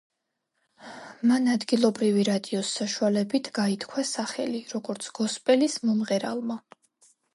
მან ადგილობრივი რადიოს საშუალებით გაითქვა სახელი როგორც გოსპელის მომღერალმა.